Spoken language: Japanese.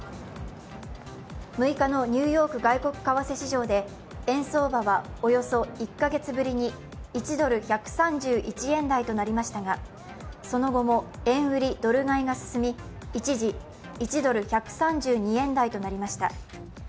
６日のニューヨーク外国為替市場で円相場はおよそ１カ月ぶりに１ドル＝１３１円台となりましたがその後も円売り・ドル買いが進み一時、１ドル＝１３２円台となりました。